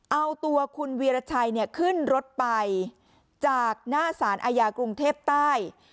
เอาตัวคุณวีรชัยขึ้นรถไปจากหน้าสารอาญากรุงเทพใต้